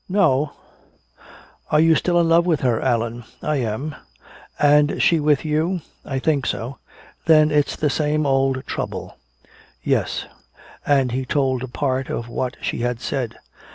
"No " "Are you still in love with her, Allan?" "I am." "And she with you?" "I think so." "Then it's the same old trouble." "Yes." And he told a part of what she had said.